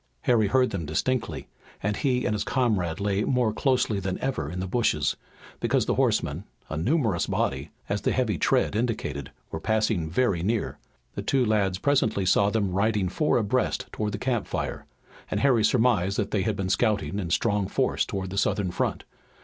Harry heard them distinctly and he and his comrade lay more closely than ever in the bushes, because the horsemen, a numerous body, as the heavy tread indicated, were passing very near. The two lads presently saw them riding four abreast toward the campfire, and Harry surmised that they had been scouting in strong force toward the Southern front.